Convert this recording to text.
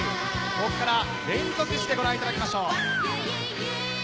ここから連続して、ご覧いただきましょう。